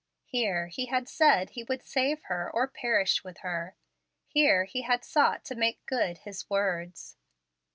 Here he had said he would save her or perish with her; here he had sought to make good his words.